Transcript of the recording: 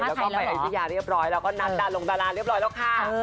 แล้วก็ไปอายุทยาเรียบร้อยแล้วก็นัดดารงดาราเรียบร้อยแล้วค่ะ